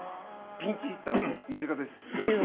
ピンチヒッターの飯塚です。